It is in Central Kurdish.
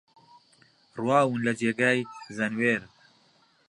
ڕواون لە جێگای زەنوێر